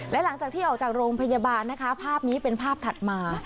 และหลังจากที่ออกจากโรงพยาบาลนะคะภาพนี้เป็นภาพถัดมา